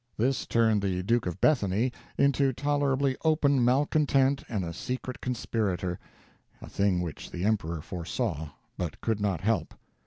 This turned the Duke of Bethany into tolerably open malcontent and a secret conspirator a thing which the emperor foresaw, but could not help.